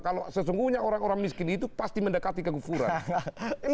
kalau sesungguhnya orang orang miskin itu pasti mendekati kegukuran